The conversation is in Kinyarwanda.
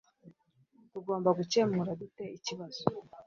Tugomba gukemura dute ikibazo